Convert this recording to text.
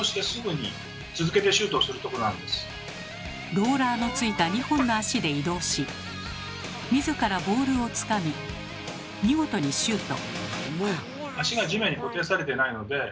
ローラーの付いた２本の足で移動し自らボールをつかみ見事にシュート。